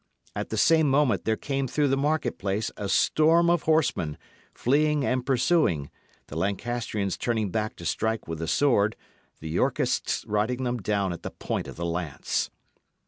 At the same moment there came through the market place a storm of horsemen, fleeing and pursuing, the Lancastrians turning back to strike with the sword, the Yorkists riding them down at the point of the lance.